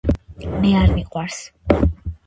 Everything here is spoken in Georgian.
მე არ მიყვარს